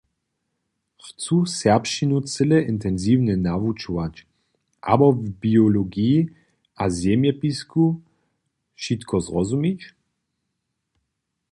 Chcu serbšćinu cyle intensiwnje nałožować abo w biologiji a zemjepisu wšitko rozumić?